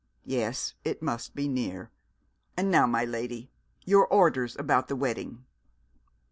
Yes, it must be near. And now, my lady, your orders about the wedding.'